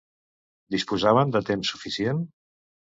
Disposaven de temps suficient?